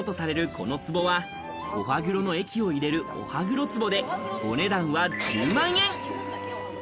このつぼはお歯黒の液を入れるお歯黒壺で、お値段は１０万円。